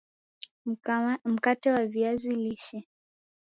mkate wa viazi lishe